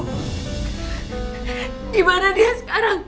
gimana dia sekarang